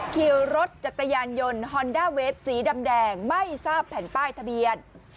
ขี่รถจักรยานยนต์ฮอนด้าเวฟสีดำแดงไม่ทราบแผ่นป้ายทะเบียน